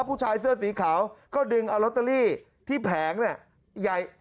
ผู้ชายเสื้อสีขาวก็ดึงเอาลอตเตอรี่ที่แผงเนี่ยใหญ่